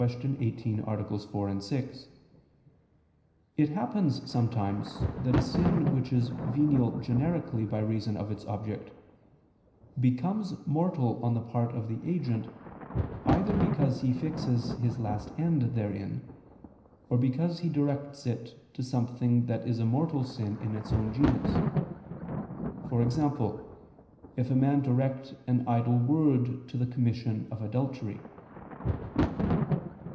18, AA. 4, 6), it happens sometimes that a sin which is venial generically by reason of its object, becomes mortal on the part of the agent, either because he fixes his last end therein, or because he directs it to something that is a mortal sin in its own genus; for example, if a man direct an idle word to the commission of adultery.